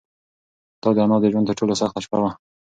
دا د انا د ژوند تر ټولو سخته شپه وه.